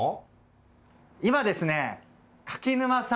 今ですね。